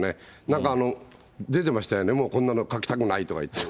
なんか出てましたよね、もうこんなの書きたくないとか言って。